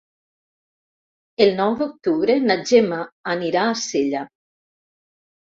El nou d'octubre na Gemma anirà a Sella.